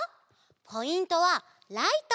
ポイントはライト！